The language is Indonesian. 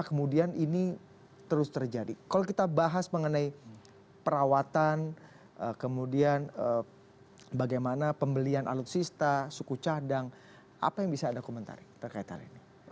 kemudian bagaimana pembelian alutsista suku cadang apa yang bisa anda komentari terkait hari ini